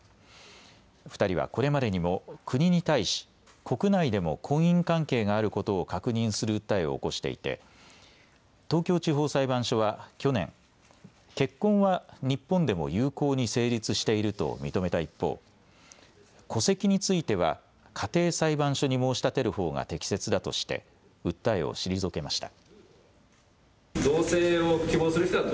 ２人はこれまでにも国に対し国内でも婚姻関係があることを確認する訴えを起こしていて東京地方裁判所は去年、結婚は日本でも有効に成立していると認めた一方、戸籍については家庭裁判所に申し立てるほうが適切だとして訴えを退けました。